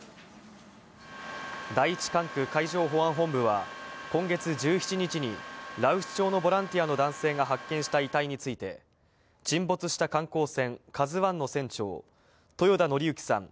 第１管区海上保安本部は、今月１７日に、羅臼町のボランティアの男性が発見した遺体について、沈没した観光船、ＫＡＺＵＩの船長、豊田徳幸さん